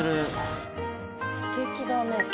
すてきだね。